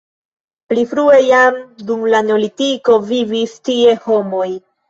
Pli frue jam dum la neolitiko vivis tie homoj.